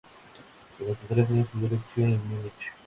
Durante tres años, estudió dirección en Múnich.